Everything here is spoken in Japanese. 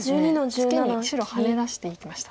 ツケに白ハネ出していきました。